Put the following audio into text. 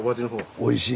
おいしい。